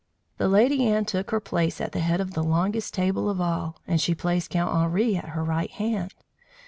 The Lady Anne took her place at the head of the longest table of all, and she placed Count Henri at her right hand.